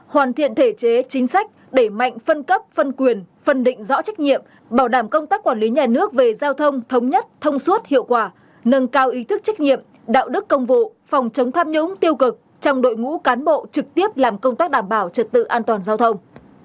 hoàn thiện thể chế chính sách đẩy mạnh phân cấp phân quyền phân định rõ trách nhiệm bảo đảm công tác quản lý nhà nước về giao thông thống nhất thông suốt hiệu quả nâng cao ý thức trách nhiệm đạo đức công vụ phòng chống tham nhũng tiêu cực trong đội ngũ cán bộ trực tiếp làm công tác đảm bảo trật tự an toàn giao thông